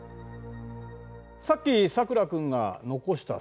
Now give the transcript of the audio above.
さっきさくら君が残したステーキ。